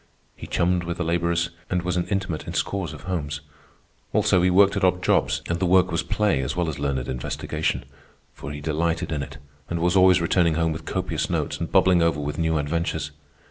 He chummed with the laborers, and was an intimate in scores of homes. Also, he worked at odd jobs, and the work was play as well as learned investigation, for he delighted in it and was always returning home with copious notes and bubbling over with new adventures.